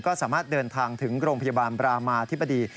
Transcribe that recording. ก็สามารถเดินทางถึงโรงพยาบาลบรามาธิบดี